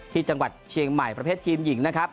ที่จังหวัดเชียงใหม่ประเภททีมหญิงนะครับ